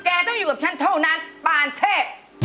ต้องอยู่กับฉันเท่านั้นปานเทพ